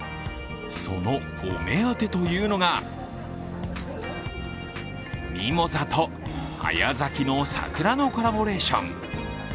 そのお目当てというのがミモザと早咲きの桜のコラボレーション。